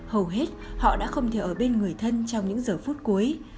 hầu hết họ đã không thể ở bên người thân trong những giờ phút cuối